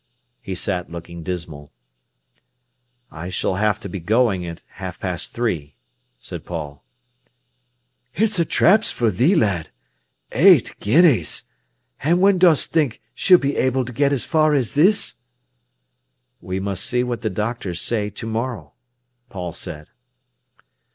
He sat looking dismal. "I s'll have to be going at half past three," said Paul. "It's a trapse for thee, lad! Eight guineas! An' when dost think she'll be able to get as far as this?" "We must see what the doctors say to morrow," Paul said.